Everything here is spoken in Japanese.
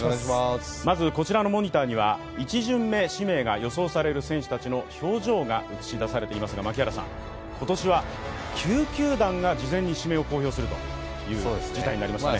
まずこちらのモニターには１巡目指名が予想される選手たちの表情が映し出されていますが今年は９球団が事前に指名を公表するという事態になりました。